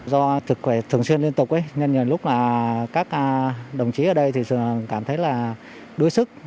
do thực khỏe thường xuyên liên tục nên nhiều lúc các đồng chí ở đây cảm thấy đuối sức